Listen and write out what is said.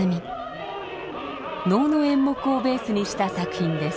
能の演目をベースにした作品です。